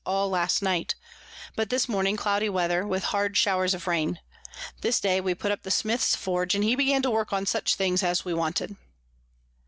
all last night; but this morning cloudy Weather, with hard Showers of Rain. This day we put up the Smith's Forge, and he began to work on such things as we wanted.